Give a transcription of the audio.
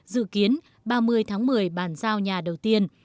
dự kiến ba mươi tháng một mươi bàn giao nhà đầu tiên